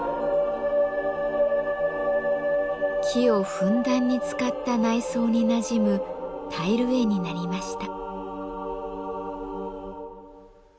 木をふんだんに使った内装になじむタイル画になりました。